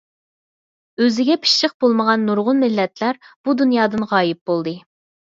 ئۆزىگە پىششىق بولمىغان نۇرغۇن مىللەتلەر بۇ دۇنيادىن غايىب بولدى.